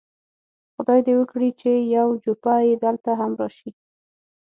خدای دې وکړي چې یو جوپه یې دلته هم راشي.